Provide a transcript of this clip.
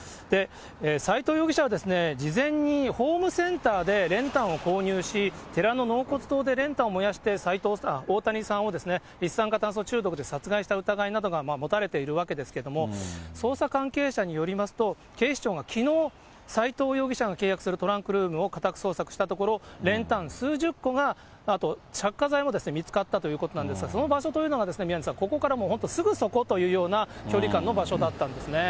斎藤容疑者は事前にホームセンターで練炭を購入し、寺の納骨堂で練炭を燃やして、大谷さんを一酸化炭素中毒で殺害した疑いなどが持たれているわけですけれども、捜査関係者によりますと、警視庁がきのう、斎藤容疑者が契約するトランクルームを家宅捜索したところ、練炭数十個が、あと着火剤も見つかったということなんですが、その場所というのが、宮根さん、ここからもうすぐそこというような距離かんの場所だったんですね。